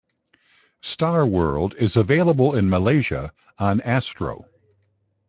Star World is available in Malaysia on Astro.